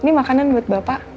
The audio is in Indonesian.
ini makanan buat bapak